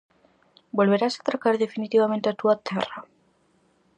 Volverás atracar definitivamente á túa terra?